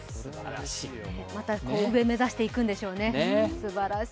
また上を目指していくんでしょうね、すばらしい。